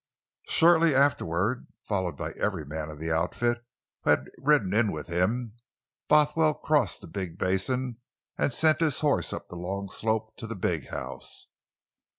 Shortly afterward, followed by every man of the outfit who had ridden in with him, Bothwell crossed the big basin and sent his horse up the long slope to the big house.